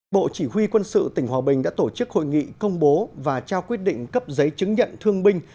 bộ chỉ huy quân sự tỉnh hòa bình đã tổ chức hội nghị công bố và trao quyết định cấp giấy chứng nhận thương binh